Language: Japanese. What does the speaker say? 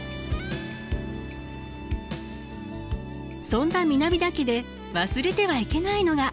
そんな南田家で忘れてはいけないのが。